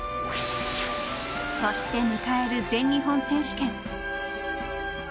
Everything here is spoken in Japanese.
そして迎える全日本選手権。